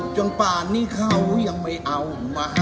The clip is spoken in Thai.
ป่านนี้เขายังไม่เอามา